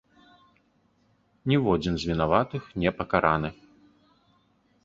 Ніводзін з вінаватых не пакараны.